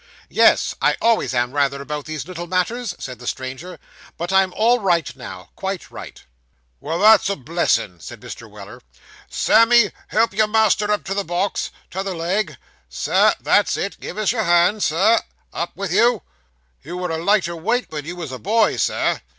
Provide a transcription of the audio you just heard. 'Yes; I always am rather about these little matters,' said the stranger, 'but I am all right now quite right.' 'Well, that's a blessin', said Mr. Weller. 'Sammy, help your master up to the box; t'other leg, Sir, that's it; give us your hand, Sir. Up with you. You was a lighter weight when you was a boy, sir.